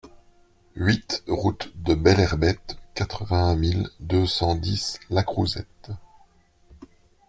huit route de Belherbette, quatre-vingt-un mille deux cent dix Lacrouzette